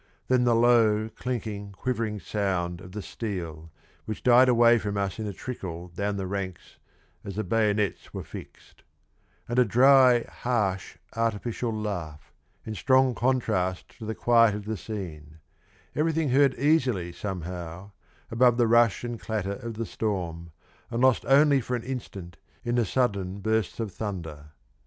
Then the low clinking, quivering sound of the steel which died away from us in a trickle down the ranks as the bayonets were fixed and a dry, harsh, artificial laugh, in strong contrast to the quiet of the scene everything heard easily somehow above the rush and clatter of the storm, and lost only for an instant in the sudden bursts of thunder.